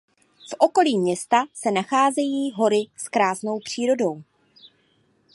V okolí města se nacházejí hory s krásnou přírodou.